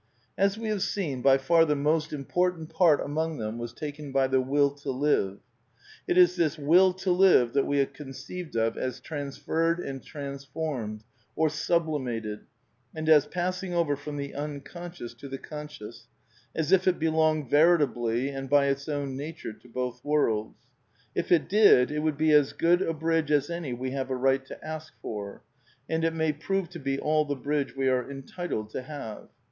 As we have seen, by far the most important part among them was taken by the Will to live. It is this Will to live~ that we have conceived of as transferred and transformed, or sublimated, and as passing over from the Unconscious to the Conscious, as if it belonged veritably and by its own nature to both worlds. If it did it woiQd be as good a bridge as any we have a right to ask for ; and it may prove to be all the bridge we are entitled to have.